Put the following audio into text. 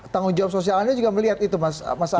tanggung jawab sosialnya juga melihat itu mas arief